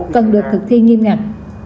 cần được thực thi nghiêm ngặt